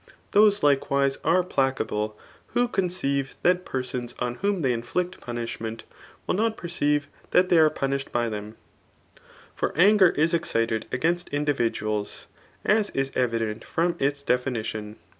Those likewise are placable #ho c&nceive that the persons on wfaovi tiMy inflkt pniasbk^ ibent wUI not perceive th^ they irepuiiisfaad by jeheoib JFor anger is excited against individuals^ at is evide»t from its deflnitioD.